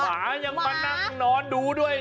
หมายังมานั่งนอนดูด้วย